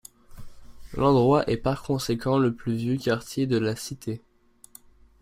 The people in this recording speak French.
L'endroit est par conséquent le plus vieux quartier de la cité.